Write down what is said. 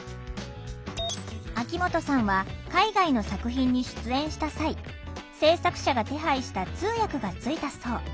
秋元さんは海外の作品に出演した際制作者が手配した通訳がついたそう。